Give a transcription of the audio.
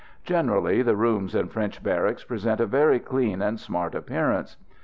Generally the rooms in French barracks present a very clean and smart appearance.